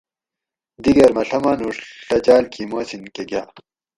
دِگیر مہ ڷہ ماۤنُوڄ ڷہ جاۤل گی موسِین کہ گاۤ